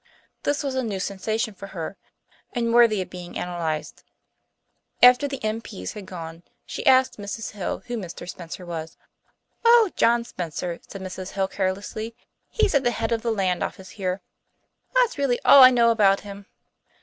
This was a new sensation for her, and worthy of being analyzed. After the M.P.s had gone she asked Mrs. Hill who Mr. Spencer was. "Oh, John Spencer," said Mrs. Hill carelessly. "He's at the head of the Land Office here. That's really all I know about him.